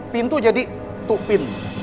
pintu jadi tupin